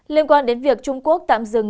liên quan đến việc trung quốc tạm dừng